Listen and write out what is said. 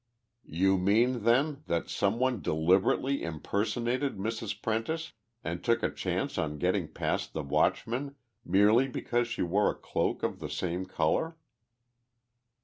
"You mean, then, that some one deliberately impersonated Mrs. Prentice and took a chance on getting past the watchman merely because she wore a cloak of the same color?"